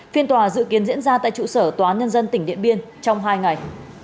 phiên tòa dự kiến diễn ra tại trụ sở tòa án nhân dân tỉnh điện biên trong hai ngày